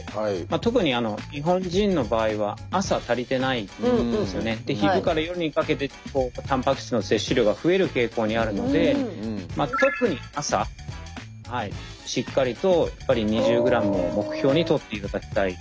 推奨量っていうお話があったんですけれどもで昼から夜にかけてたんぱく質の摂取量が増える傾向にあるので特に朝しっかりとやっぱり２０ｇを目標にとっていただきたい。